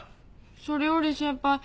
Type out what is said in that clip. それより先輩。